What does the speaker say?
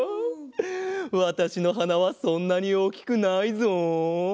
わたしのはなはそんなにおおきくないぞ。